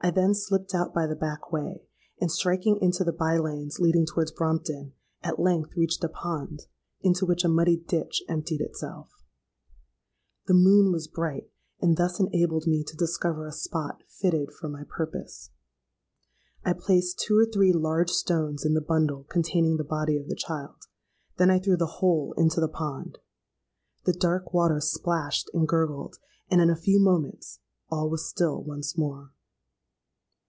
I then slipped out by the back way, and striking into the bye lanes leading towards Brompton, at length reached a pond, into which a muddy ditch emptied itself. The moon was bright, and thus enabled me to discover a spot fitted for my purpose. I placed two or three large stones in the bundle containing the body of the child: then I threw the whole into the pond. The dark water splashed and gurgled; and in a few moments all was still once more.